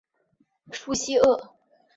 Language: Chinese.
叙西厄。